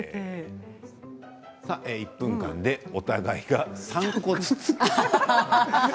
１分間でお互いが３個ずつ。